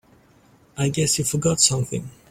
I guess you forgot something.